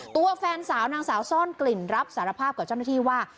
ตัวแฟนสาวนางสาวซ่อนกลิ่นรับสารภาพกับเจ้าหน้าที่ว่า